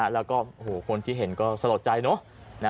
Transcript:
แล้วก็คนที่เห็นก็สลดใจเนอะ